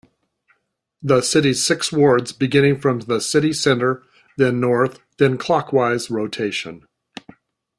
The city's six wards beginning from the city centre, then north, then clockwise rotation.